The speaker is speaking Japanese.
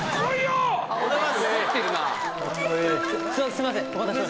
すみません！